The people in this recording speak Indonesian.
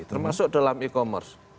termasuk dalam e commerce